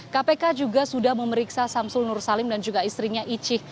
kpk juga sudah memeriksa samsul nur salim dan juga istrinya icih